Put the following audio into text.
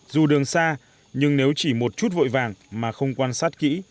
dù đường xa nhưng nếu chỉ một chút vội vàng mà không quan sát kỹ